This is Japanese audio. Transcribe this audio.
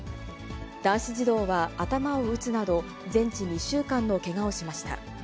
男子児童は頭を打つなど、全治２週間のけがをしました。